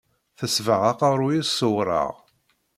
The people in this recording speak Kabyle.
Tesbeɣ aqerru-s s uwraɣ.